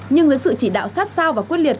nhưng dưới sự chỉ đạo sát sao và quyết liệt